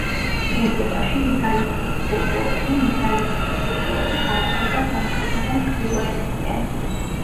ევროპაში მეგალითური კულტურები მეგალითური კულტურები გავრცელდა სამხრეთიდან ჩრდილოეთისკენ.